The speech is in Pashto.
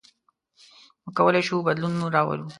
موږ کولی شو بدلون راولو.